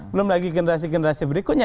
belum lagi generasi generasi berikutnya